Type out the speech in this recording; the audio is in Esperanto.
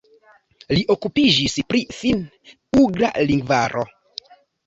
Li okupiĝis pri finn-ugra lingvaro.